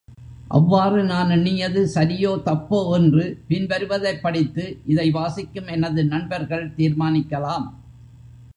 அவ்வாறு நான் எண்ணியது சரியோ தப்போ என்று பின் வருவதைப் படித்து இதை வாசிக்கும் எனது நண்பர்கள் தீர்மானிக்கலாம்.